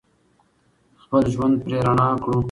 خپل ژوند پرې رڼا کړو.